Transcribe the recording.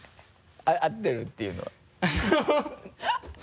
合ってるっていうのは。